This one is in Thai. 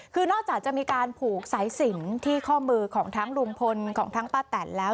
คือนอกจากจะมีการผูกไฟ้ศิลป์ที่ข้อมือของลุงพลกับป้าแตนแล้ว